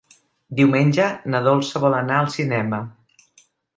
Diumenge na Dolça vol anar al cinema.